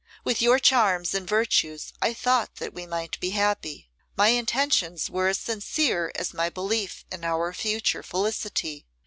With your charms and virtues I thought that we might be happy. My intentions were as sincere as my belief in our future felicity.